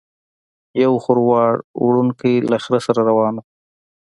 یو خروار وړونکی له خره سره روان و.